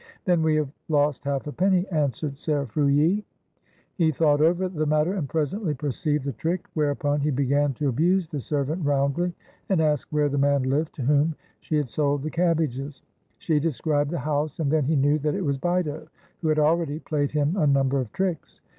"Then we have lost half a penny," answered Ser Frulli. 24 FLORENCE IN THE THIRTEENTH CENTURY He thought over the matter and presently perceived the trick, whereupon he began to abuse the servant roundly, and asked where the man hved to whom she had sold the cabbages. She described the house, and then he knew that it was Bito, who had already played him a number of tricks.